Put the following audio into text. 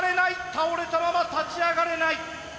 倒れたまま立ち上がれない。